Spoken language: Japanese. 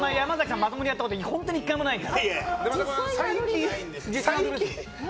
まともにやったこと本当に１回もないんで。